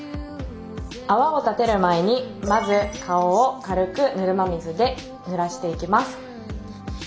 泡を立てる前にまず顔を軽くぬるま水でぬらしていきます。